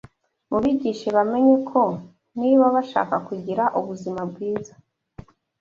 Mubigishe bamenye ko niba bashaka kugira ubuzima bwiza